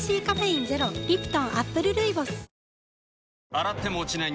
洗っても落ちない